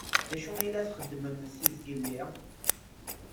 D acu i la txeddmem seg zgelli?